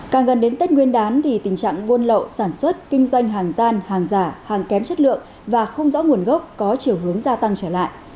càng gần đến tết nguyên đán thì tình trạng buôn lậu sản xuất kinh doanh hàng gian hàng giả hàng kém chất lượng và không rõ nguồn gốc có chiều hướng gia tăng trở lại